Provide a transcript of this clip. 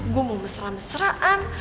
gue mau mesra mesraan